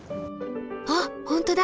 あっ本当だ！